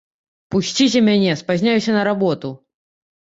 Пусціце мяне, спазнюся на работу!